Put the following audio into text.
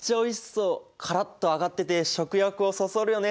カラッと揚がってて食欲をそそるよね。